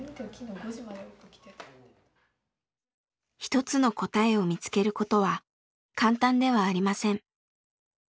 一つの答えを見つけることは簡単ではありません。